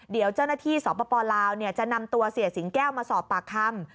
เดี๋ยวเจ้าหน้าที่สปลาวจะนำตัวเสียสิงแก้วมาสอบปากคำ